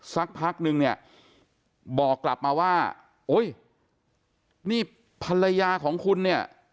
สักพักนึงเนี่ยบอกกลับมาว่าอุ้ยนี่ภรรยาของคุณเนี่ย